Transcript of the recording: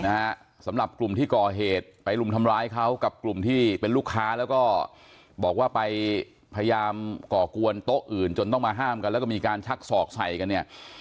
นะฮะสำหรับกลุ่มที่ก่อเหตุไปรุมทำร้ายเขากับกลุ่มที่เป็นลูกค้าแล้วก็บอกว่าไปพยายามก่อกวนโต๊ะอื่นจนต้องมาห้ามกันแล้วก็มีการชักศอกใส่กันเนี่ย